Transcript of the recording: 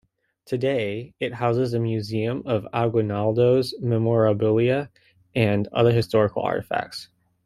Today, it houses a museum of Aguinaldo's memorabilia and other historical artifacts.